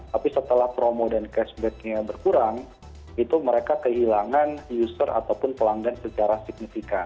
tapi setelah promo dan cashbacknya berkurang itu mereka kehilangan user ataupun pelanggan secara signifikan